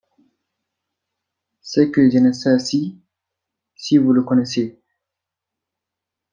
C'est que je ne sais si … si vous le connaissez.